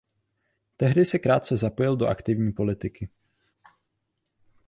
Tehdy se krátce zapojil do aktivní politiky.